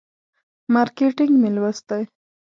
مارکیټینګ مې لوستی.